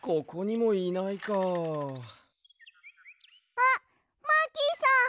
あっマーキーさん！